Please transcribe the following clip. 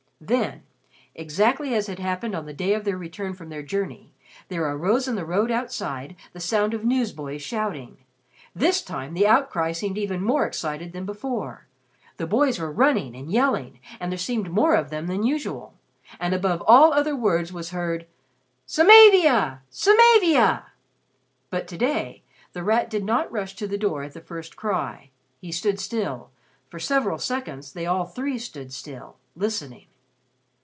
Then exactly as had happened on the day of their return from their journey there arose in the road outside the sound of newsboys shouting. This time the outcry seemed even more excited than before. The boys were running and yelling and there seemed more of them than usual. And above all other words was heard "Samavia! Samavia!" But to day The Rat did not rush to the door at the first cry. He stood still for several seconds they all three stood still listening.